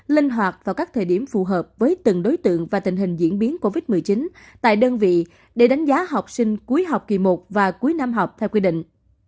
linh hoạt vào các thời điểm phù hợp với từng đối tượng và tình hình diễn biến covid một mươi chín tại đơn vị để đánh giá học sinh cuối học kỳ một và cuối năm học theo quy định